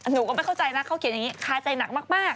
หนูก็ไม่เข้าใจนะเขาเขียนอย่างนี้คาใจหนักมาก